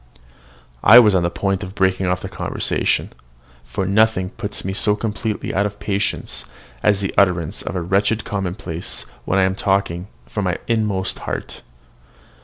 I was on the point of breaking off the conversation, for nothing puts me so completely out of patience as the utterance of a wretched commonplace when I am talking from my inmost heart.